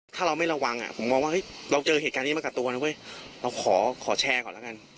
ถ้าเราไม่ระวังผมมองว่าเฮ้ยเราเจอเหตุการณ์นี้มากับตัวนะเว้ยเราขอแชร์ก่อนแล้วกัน